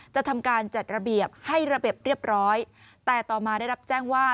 จะทำการจัดระเบียบให้ระเบียบเรียบร้อยแต่ต่อมาได้รับแจ้งว่า